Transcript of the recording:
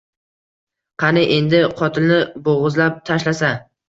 Qani endi qotilni bo’g’izlab tashlasa!